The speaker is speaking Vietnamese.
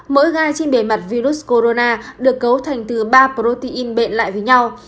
mỗi gai trên bề mặt virus corona được cấu thành từ ba protein bệnh lại với nhau